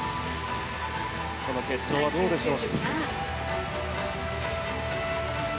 この決勝はどうでしょう。